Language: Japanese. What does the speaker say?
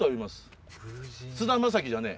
菅田将暉じゃねえ。